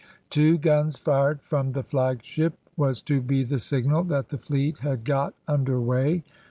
Two guns fired from the flagship was to be the signal that the fleet had got under weigh.